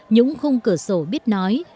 nhũng khung cửa sổ biết nói